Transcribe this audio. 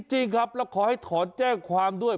จริงครับแล้วขอให้ถอนแจ้งความด้วย